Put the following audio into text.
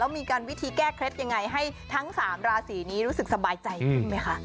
มีการวิธีแก้เคล็ดยังไงให้ทั้ง๓ราศีนี้รู้สึกสบายใจขึ้นไหมคะ